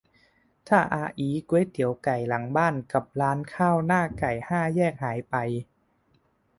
ถ้าอาอี้ก๋วยเตี๋ยวไก่หลังบ้านกับร้านข้าวหน้าไก่ห้าแยกหายไป